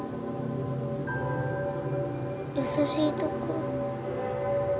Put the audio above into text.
優しいところ。